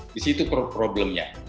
di situ problemnya